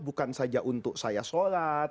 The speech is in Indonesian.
bukan saja untuk saya sholat